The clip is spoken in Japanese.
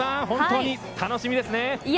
本当に楽しみですね。